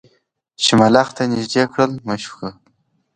چي ملخ ته یې نیژدې کړله مشوکه